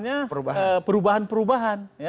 untuk terjadi perubahan perubahan